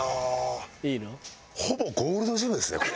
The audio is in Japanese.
ほぼゴールドジムですねこれ。